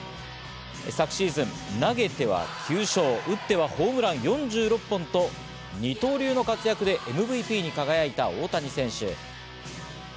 昨シーズン、投げては９勝、打ってはホームラン４６本と二刀流の活躍でＭＶＰに輝いた大谷選手。